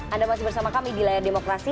anda masih bersama kami di layar demokrasi